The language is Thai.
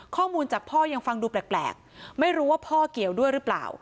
ข้อมูลจากพ่อยังฟังดูแปลกไม่รู้ว่าพ่อเกี่ยวด้วยหรือเปล่า